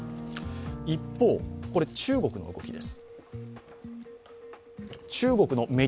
一方、中国の動きです。